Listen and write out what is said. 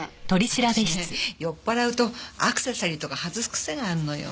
私ね酔っ払うとアクセサリーとか外す癖があるのよ。